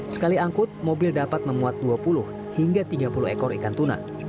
sekali angkut mobil dapat memuat dua puluh hingga tiga puluh ekor ikan tuna